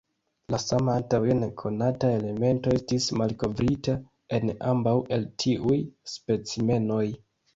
La sama antaŭe nekonata elemento estis malkovrita en ambaŭ el tiuj specimenoj.